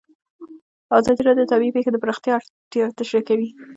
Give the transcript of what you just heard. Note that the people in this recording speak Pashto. ازادي راډیو د طبیعي پېښې د پراختیا اړتیاوې تشریح کړي.